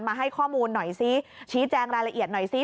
ให้ข้อมูลหน่อยซิชี้แจงรายละเอียดหน่อยซิ